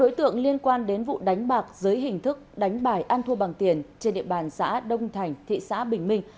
một mươi đối tượng liên quan đến vụ đánh bạc dưới hình thức đánh bài ăn thua bằng tiền trên địa bàn xã đông thành thị xã bình minh